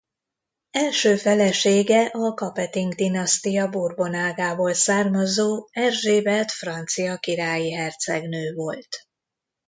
Első felesége a Capeting-dinasztia Bourbon-ágából származó Erzsébet francia királyi hercegnő volt.